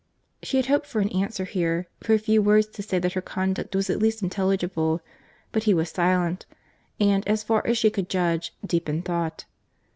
She had hoped for an answer here—for a few words to say that her conduct was at least intelligible; but he was silent; and, as far as she could judge, deep in thought.